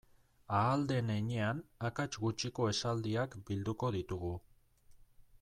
Ahal den heinean akats gutxiko esaldiak bilduko ditugu.